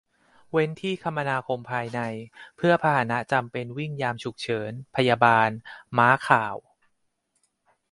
เว้นที่คมนาคมภายใน เพื่อพาหนะจำเป็นวิ่งยามฉุกเฉิน พยาบาล ม้าข่าว